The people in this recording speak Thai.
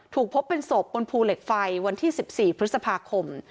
พบเป็นศพบนภูเหล็กไฟวันที่๑๔พฤษภาคม